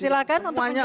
silahkan untuk menjawab